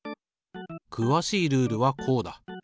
くわしいルールはこうだ。